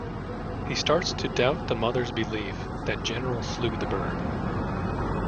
He starts to doubt the mother's belief that General slew the bird.